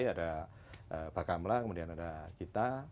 ada baka melah kemudian ada kita